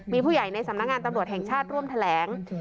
มีผู้ใหญ่ในสำนักงานตำรวจแห่งชาติร่วมแถลง